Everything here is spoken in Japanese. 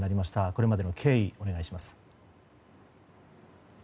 これまでの経緯お願いします。